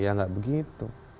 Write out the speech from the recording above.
ya nggak begitu